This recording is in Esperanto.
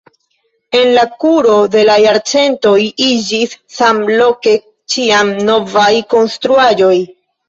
En la kuro de la jarcentoj iĝis samloke ĉiam novaj konstruaĵoj.